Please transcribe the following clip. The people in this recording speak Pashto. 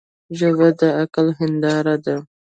ژبه د عقل هنداره ده